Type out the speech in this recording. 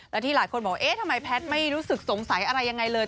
และที่หลายคนบอกเอ๊ะทำไมแพทย์ไม่รู้สึกสงสัยอะไรยังไงเลย